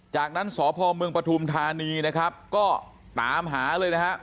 จากนั้นสพเมืองปฐุมธานีนะครับก็ตามหาเลยนะฮะ